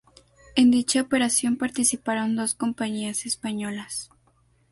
En dicha operación participaron dos compañías españolas.